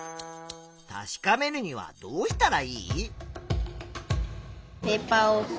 確かめるにはどうしたらいい？